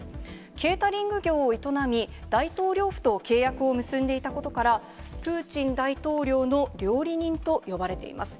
ケータリング業を営み、大統領府と契約を結んでいたことから、プーチン大統領の料理人と呼ばれています。